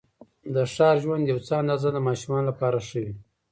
د ښار ژوند یوه څه اندازه د ماشومانو لپاره ښه وې.